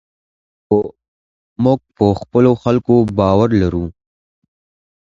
موږ په خپلو خلکو باور لرو.